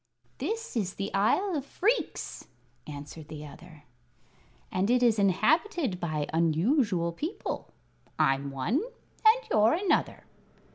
"This is the Isle of Phreex," answered the other, "and it is inhabited by unusual people. I'm one, and you're another."